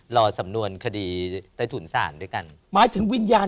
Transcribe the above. ลอดสำนวนคดีใต้สุนสารด้วยกัน